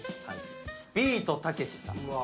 ビートたけしさん。